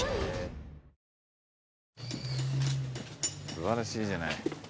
素晴らしいじゃない。